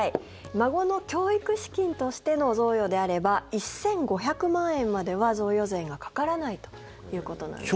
孫の教育資金としての贈与であれば１５００万円までは贈与税がかからないということなんですね。